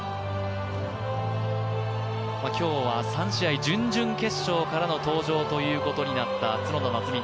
今日は３試合、準々決勝からの登場ということになった角田夏実